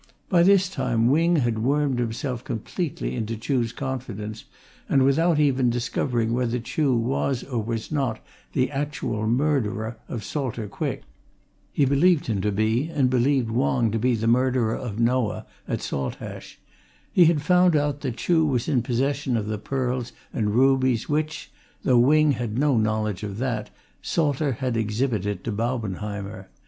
By this time, Wing had wormed himself completely into Chuh's confidence, and without even discovering whether Chuh was or was not the actual murderer of Salter Quick (he believed him to be and believed Wong to be the murderer of Noah, at Saltash) he had found out that Chuh was in possession of the pearls and rubies which though Wing had no knowledge of that Salter had exhibited to Baubenheimer.